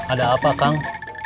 ada apa kang